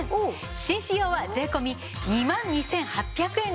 紳士用は税込２万２８００円です。